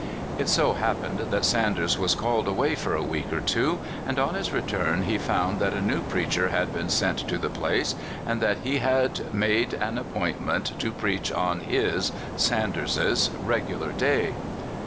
It so happened that Sanders was called away for a week or two, and on his return he found that a new preacher had been sent to the place, and that he had made an appointment to preach on his (Sanders's) regular day.